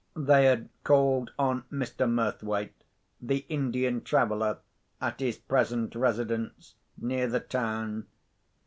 They had called on Mr. Murthwaite, the Indian traveller, at his present residence, near the town.